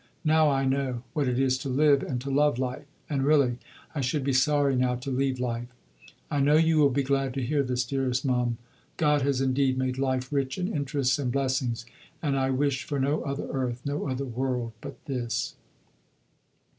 Now I know what it is to live and to love life, and really I should be sorry now to leave life. I know you will be glad to hear this, dearest Mum. God has indeed made life rich in interests and blessings, and I wish for no other earth, no other world but this.